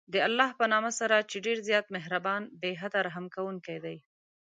د الله په نامه سره چې ډېر زیات مهربان، بې حده رحم كوونكى دى.